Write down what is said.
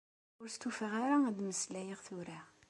Ur stufaɣ ara ad mmeslayeɣ tura.